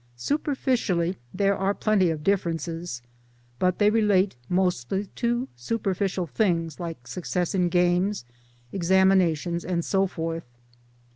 Superficially there are plenty of differences, but they relate mostly to super ficial things like success in games, examinations and so forth.